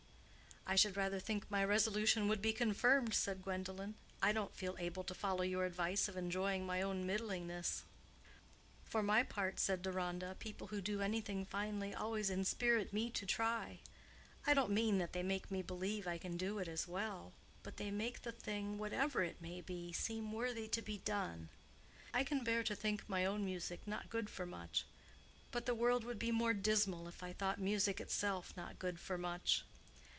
"I should rather think my resolution would be confirmed," said Gwendolen. "I don't feel able to follow your advice of enjoying my own middlingness." "For my part," said Deronda, "people who do anything finely always inspirit me to try. I don't mean that they make me believe I can do it as well. But they make the thing, whatever it may be, seem worthy to be done. I can bear to think my own music not good for much, but the world would be more dismal if I thought music itself not good for much.